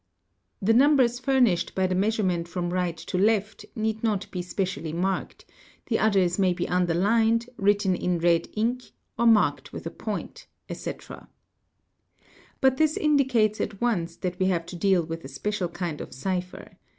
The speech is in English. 'The numbers furnished by the measurement from right to left need not be specially marked, the others may be underlined, written in red ink, or marked with a point, etc. But this indicates at once that we | have to deal with a special kind of cipher.